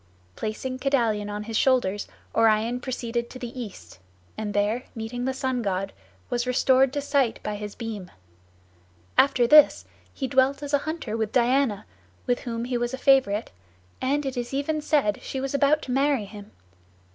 Placing Kedalion on his shoulders, Orion proceeded to the east, and there meeting the sun god, was restored to sight by his beam. After this he dwelt as a hunter with Diana, with whom he was a favorite, and it is even said she was about to marry him.